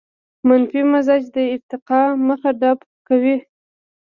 منفي مزاج د ارتقاء مخه ډب کوي.